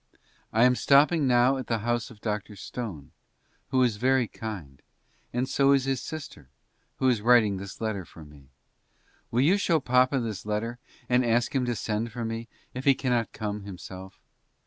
I am stopping now at the house of Dr. Stone, who is very kind, and so is his sister, who is writing this letter for me. Will you show papa this letter, and ask him to send for me, if he cannot come himself?